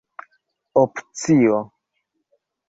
opcio